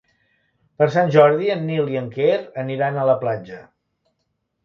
Per Sant Jordi en Nil i en Quer aniran a la platja.